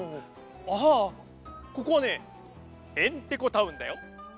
ああここはねヘンテコタウンだよ。